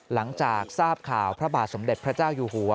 หลังจากทราบข่าวพระบาทสมเด็จพระเจ้าอยู่หัว